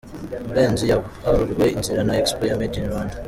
Murenzi yaharuriwe inzira na Expo ya Made in Rwanda.